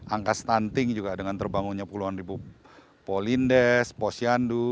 angka stunting juga dengan terbangunnya puluhan ribu polindes posyandu